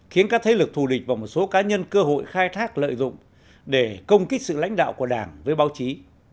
khiến các thế lực thù địch và một số cá nhân cơ hội khai thác lợi dụng để công kích sự lãnh đạo của đảng với báo chí